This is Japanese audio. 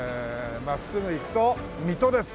真っすぐ行くと水戸です。